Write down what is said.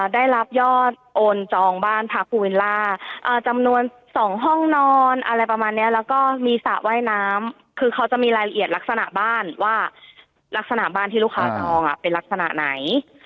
ได้รับยอดโอนจองบ้านพักภูวิลล่าจำนวน๒ห้องนอนอะไรประมาณนี้แล้วก็มีสระว่ายน้ำคือเขาจะมีรายละเอียดลักษณะบ้านว่าลักษณะบ้านที่ลูกค้าจองเป็นลักษณะไหน